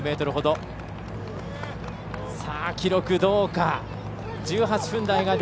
記録、どうか。